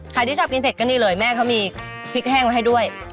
ที่ชอบกินเผ็ดก็นี่เลยแม่เขามีพริกแห้งไว้ให้ด้วย